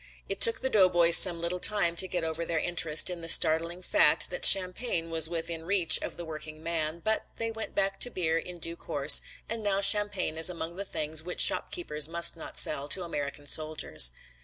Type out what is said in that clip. It took the doughboys some little time to get over their interest in the startling fact that champagne was within the reach of the working man, but they went back to beer in due course and now champagne is among the things which shopkeepers must not sell to American soldiers.